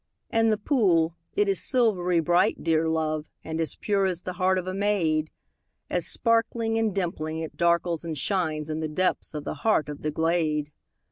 And the pool, it is silvery bright, dear love, And as pure as the heart of a maid, As sparkling and dimpling, it darkles and shines In the depths of the heart of the glade.